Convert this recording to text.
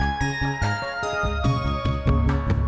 oh kenapa dia sama dengan ku